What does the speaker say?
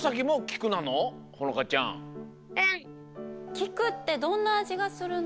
きくってどんなあじがするの？